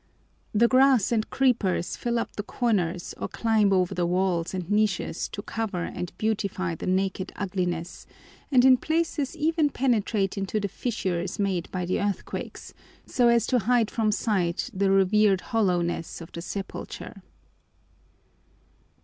The grass and creepers fill up the corners or climb over the walls and niches to cover and beautify the naked ugliness and in places even penetrate into the fissures made by the earthquakes, so as to hide from sight the revered hollowness of the sepulcher.